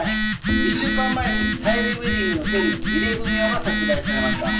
１週間前にさゆりウェディングの専務井出文雄が殺害されました。